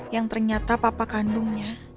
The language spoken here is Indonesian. yang ternyata papa kandungnya